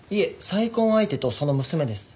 再婚相手とその娘です。